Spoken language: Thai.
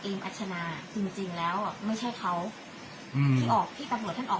อัชนาจริงจริงแล้วอ่ะไม่ใช่เขาอืมที่ออกที่ตำรวจท่านออก